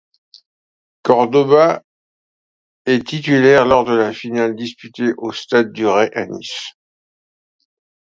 Córdoba est titulaire lors de la finale disputée au Stade du Ray à Nice.